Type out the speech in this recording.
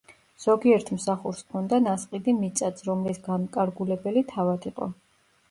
ზოგიერთ მსახურს ჰქონდა ნასყიდი მიწაც, რომლის განმკარგულებელი თავად იყო.